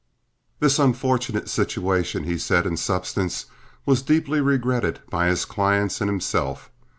This unfortunate situation, he said, in substance, was deeply regretted by his clients and himself.